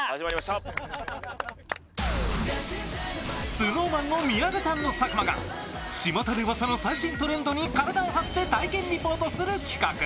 ＳｎｏｗＭａｎの宮舘＆佐久間がちまたでうわさの最新トレンドを体を張って体験リポートする企画。